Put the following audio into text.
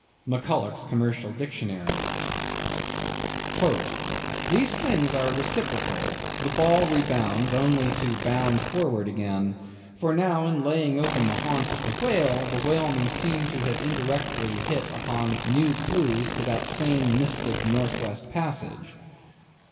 —McCulloch's Commercial Dictionary. "These things are reciprocal; the ball rebounds, only to bound forward again; for now in laying open the haunts of the whale, the whalemen seem to have indirectly hit upon new clews to that same mystic North West Passage."